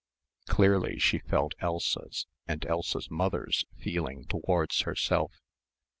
Clearly she felt Elsa's and Elsa's mother's feeling towards herself.